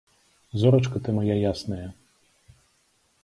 Зорачка ты мая ясная!